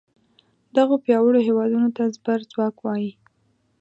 دغو پیاوړو هیوادونو ته زبر ځواک وایي.